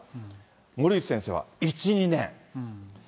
森内先生は１、２年。